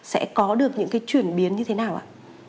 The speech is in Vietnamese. sẽ có được những cái chuyển biến như thế nào ạ